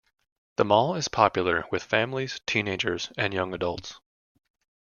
The mall is popular with families, teenagers and young adults.